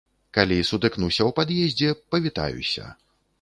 Калі сутыкнуся ў пад'ездзе, павітаюся.